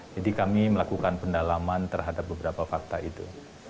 jadi kami melakukan pendalaman terhadap beberapa fakta itu